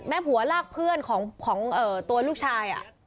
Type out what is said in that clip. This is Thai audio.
ผัวลากเพื่อนของตัวลูกชาย